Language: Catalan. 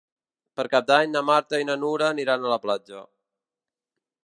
Per Cap d'Any na Marta i na Nura aniran a la platja.